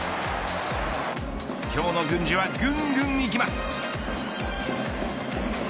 今日の郡司はぐんぐんいきます。